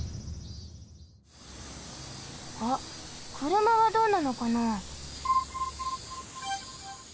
あっくるまはどうなのかな？